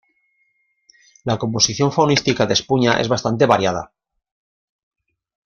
La composición faunística de Espuña es bastante variada.